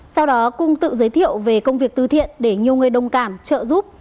sau đó cung tự giới thiệu về công việc tư thiện để nhiều người đồng cảm trợ giúp